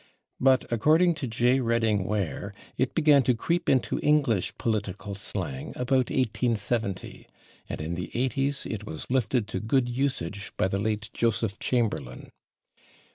But, according to J. Redding Ware, it began to creep into English political slang about 1870, and in the 80's it was lifted to good usage by the late Joseph Chamberlain.